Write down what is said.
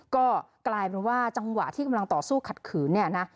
ก็กลายเป็นว่าจังหวะที่กำลังต่อสู้ขัดขืนเนี่ยนะ